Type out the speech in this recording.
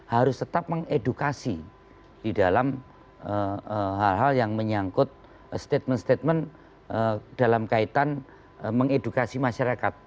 harus tetap mengedukasi di dalam hal hal yang menyangkut statement statement dalam kaitan mengedukasi masyarakat